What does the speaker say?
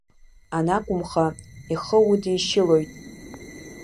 Анакәымха, ихы удишьылоит.